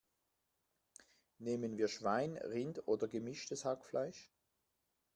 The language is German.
Nehmen wir Schwein, Rind oder gemischtes Hackfleisch?